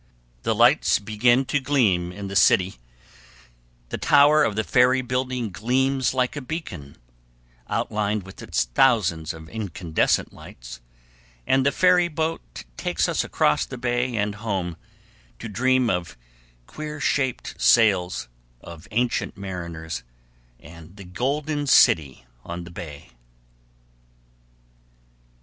The lights begin to gleam in the city, the tower of the ferry building gleams like a beacon, outlined with its thousands of incandescent lights, and the ferryboat takes us across the bay and home, to dream of queer shaped sails, of ancient mariners, and the "Golden City" on the bay.